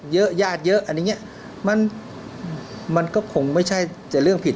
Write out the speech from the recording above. เยอะญาติเยอะอันนี้มันก็คงไม่ใช่เรื่องผิด